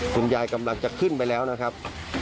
คุณยายกำลังจะขึ้นไปแล้วนะครับ